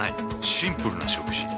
シンプルな食事。